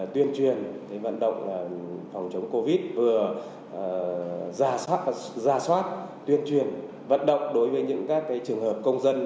tuyên truyền vận động phòng chống covid vừa ra soát tuyên truyền vận động đối với những trường hợp công dân